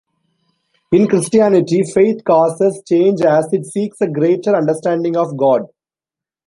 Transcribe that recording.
In Christianity, faith causes change as it seeks a greater understanding of God.